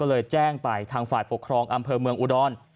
เลยแจ้งไปทางฝ่ายปกครองอำเภอเมืองอุดร